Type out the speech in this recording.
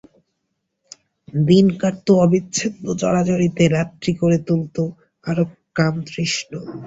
দিন কাটতো অবিচ্ছেদ্য জড়াজড়িতে, রাত্রি করে তুলত আরও কামতৃষ্ণ।